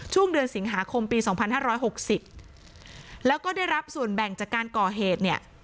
ช่วงเดือนสิงหาคมปีสองพันห้าร้อยหกสิบแล้วก็ได้รับส่วนแบ่งจากการก่อเหตุเนี่ย